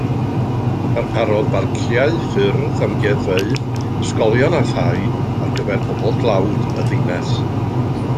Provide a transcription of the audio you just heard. Darparodd barciau, ffyrdd, amgueddfeydd, ysgolion a thai ar gyfer pobl dlawd y ddinas.